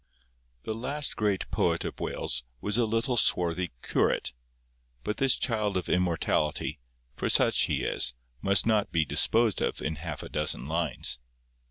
The last great poet of Wales was a little swarthy curate;—but this child of immortality, for such he is, must not be disposed of in half a dozen lines.